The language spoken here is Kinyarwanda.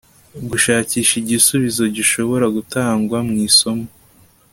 gushakisha igisubizo gishobora gutangwa mu isomo